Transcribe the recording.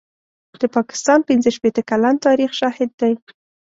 د پاکستان پنځه شپېته کلن تاریخ شاهد دی.